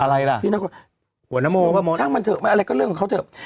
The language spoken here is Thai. เฮ้ยละหัวนโมหรอมดช่างมันเถอะอะไรก็เล่นกับเขาเถอะ